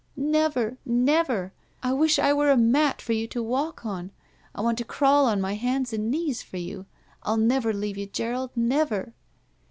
"Never! Never! I wish I were a mat for you to walk on. I want to crawl on my hands and knees for you. Ill never leave you, Gerald — never!"